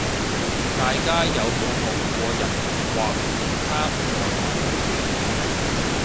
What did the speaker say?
大家有冇學過日文或其他外文